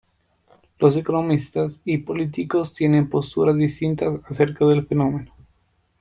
Los economistas y políticos tienen posturas distintas acerca del fenómeno.